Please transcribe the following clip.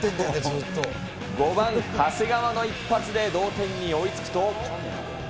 ５番長谷川の一発で同点に追いつくと。